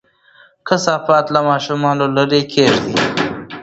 کثافات له ماشوم لرې کېږدئ.